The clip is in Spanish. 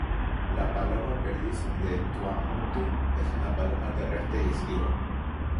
La paloma perdiz de Tuamotu es una paloma terrestre y esquiva.